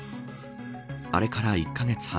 あれから１カ月半